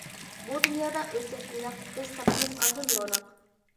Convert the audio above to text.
بۇ دۇنيادا ئۆتسەك ئىناق، بىز تاپىمىز ئاندىن روناق.